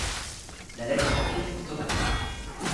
la lettre T pour tomate